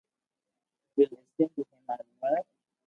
I'll listen to him in a minute!